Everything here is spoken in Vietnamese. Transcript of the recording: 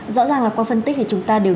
rõ ràng là qua phân tích thì chúng ta đều